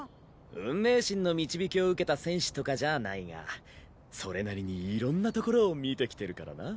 運命神の導きを受けた戦士とかじゃないがそれなりにいろんな所を見てきてるからな。